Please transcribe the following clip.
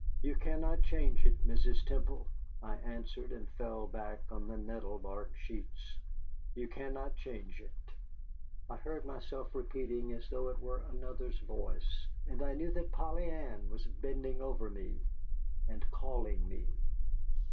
"You cannot change it, Mrs. Temple," I answered, and fell back on the nettle bark sheets. "You cannot change it," I heard myself repeating, as though it were another's voice. And I knew that Polly Ann was bending over me and calling me.